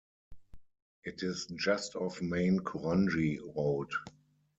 It is just off main Korangi Road.